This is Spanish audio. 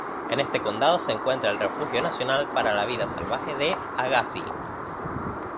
En este condado se encuentra el refugio nacional para la vida salvaje de "Agassiz".